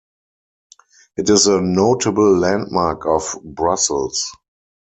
It is a notable landmark of Brussels.